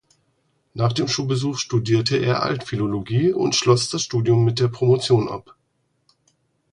Nach dem Schulbesuch studierte er Altphilologie und schloss das Studium mit der Promotion ab.